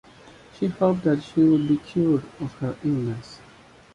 She hoped that she would be cured of her illness.